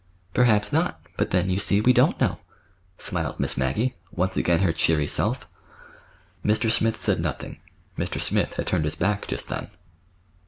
"Perhaps not; but then, you see, we don't know," smiled Miss Maggie, once again her cheery self. Mr. Smith said nothing. Mr. Smith had turned his back just then.